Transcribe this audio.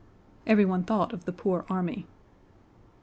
Everyone thought of the poor army.